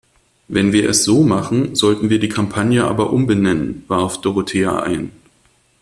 Wenn wir es so machen, sollten wir die Kampagne aber umbenennen, warf Dorothea ein.